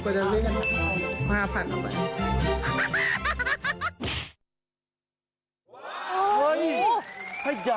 คือแบบเก็บไว้ข้างในสุด